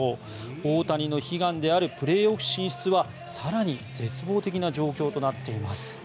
大谷の悲願であるプレーオフ進出は更に絶望的な状況となっています。